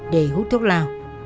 để hút thuốc lào